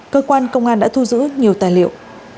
cơ quan công an đã thu giữ nhiều tài liệu